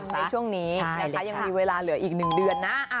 รีบทำในช่วงนี้ยังมีเวลาเหลืออีก๑เดือนนะ